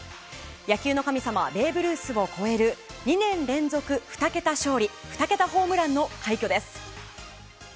野球の神様ベーブ・ルースを超える２年連続２桁勝利２桁ホームランの快挙です。